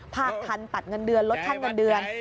ภาพธรรมปัดเงินเดือนลดฆ่าเงินเดือน